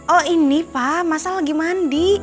oh ini pak mas al lagi mandi